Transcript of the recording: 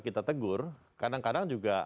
kita tegur kadang kadang juga